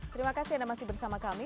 terima kasih anda masih bersama kami